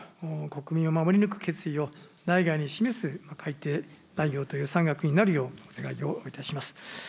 わが国の国民を守り抜く決意を内外に示す改定予算額になるようお願いをいたします。